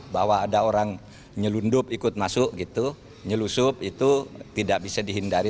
bahwa ada orang nyelundup ikut masuk gitu nyelusup itu tidak bisa dihindari